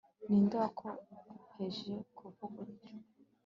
ni nde wakoheje kuvuga uryo